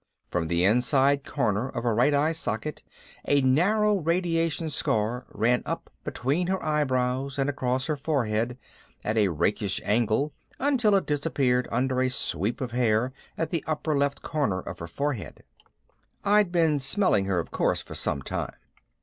From the inside corner of her right eye socket a narrow radiation scar ran up between her eyebrows and across her forehead at a rakish angle until it disappeared under a sweep of hair at the upper left corner of her forehead. I'd been smelling her, of course, for some time.